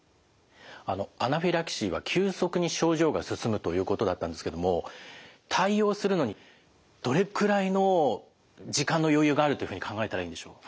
あのアナフィラキシーは急速に症状が進むということだったんですけども対応するのにどれくらいの時間の余裕があるというふうに考えたらいいんでしょう？